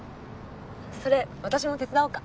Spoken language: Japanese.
それ私も手伝おうか？